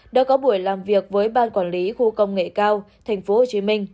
đã có buổi làm việc với ban quản lý khu công nghệ cao tp hcm